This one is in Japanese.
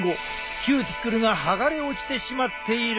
キューティクルが剥がれ落ちてしまっている。